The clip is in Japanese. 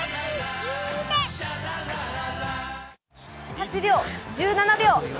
８秒、１７秒。